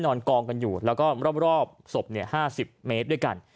นอนกองกันอยู่แล้วก็รอบศพ๕๐เมตรด้วงเรื่อนด้วยกัน